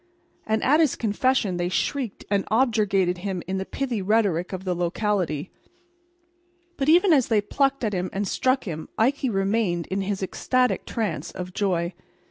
And at his confession they shrieked and objurgated him in the pithy rhetoric of the locality. But even as they plucked at him and struck him Ikey remained in his ecstatic trance of joy.